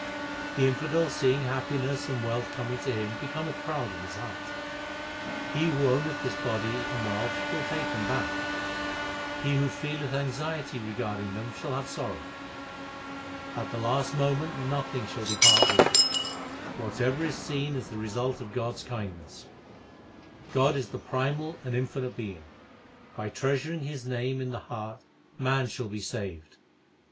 The infidel seeing happiness and wealth coming to him becometh proud in his heart. He who owneth this body and wealth will take them back ; he who feeleth anxiety regarding them shall have sorrow. At the last moment nothing shall depart with thee ; whatever is seen is the result of God s kindness. God is the primal and infinite Being ; by treasuring His name in the heart man shall be saved.